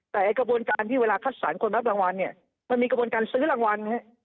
แต่กระบวนการที่เวลาคัดสรรคนรับรางวัลเนี่ยมันมีกระบวนการซื้อรางวัล